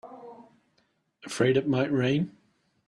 Afraid it might rain?